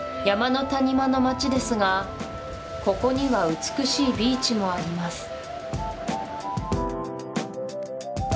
山の谷間の町ですがここには美しいビーチもあります